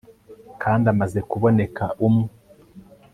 kandi amaze kuboneka umwe